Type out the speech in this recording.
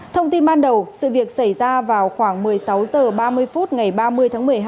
thông tin ban đầu sự việc xảy ra vào khoảng một mươi sáu h ba mươi phút ngày ba mươi tháng một mươi hai